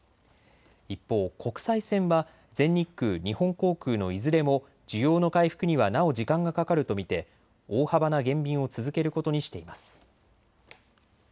一方、国際線は全日空、日本航空のいずれも需要の回復にはなお時間がかかると見て大幅な減便を続けることにしています。